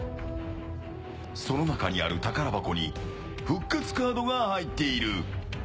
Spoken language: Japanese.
その中にある宝箱に復活カードが入っている。